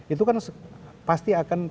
itu kan pasti akan